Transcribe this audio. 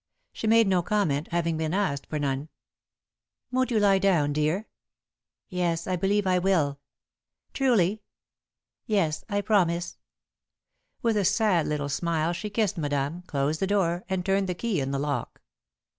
She made no comment, having been asked for none. "Won't you lie down, dear?" "Yes, I believe I will." "Truly?" "Yes I promise." With a sad little smile she kissed Madame, closed the door, and turned the key in the lock.